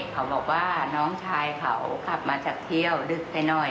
เขาบอกว่าน้องชายเขาขับมาจากเที่ยวดึกไปหน่อย